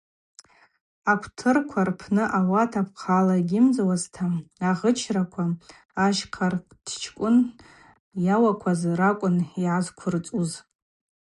Акъвтырква рпны, ауат апхъала йгьымдзуазтӏта, агъычраква Ащхъарктчкӏвын йауакваз ракӏвын йгӏазквырцӏуз.